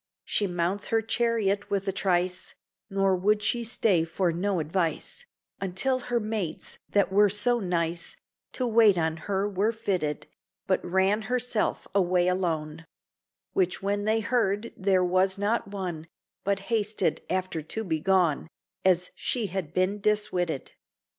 She mounts her chariot with a trice, Nor would she stay for no advice, Until her maids that were so nice, To wait on her were fitted, But ran herself away alone; Which when they heard, there was not one, But hasted after to be gone, As she had been diswitted.